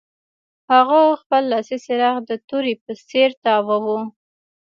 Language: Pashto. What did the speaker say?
هغه خپل لاسي څراغ د تورې په څیر تاواوه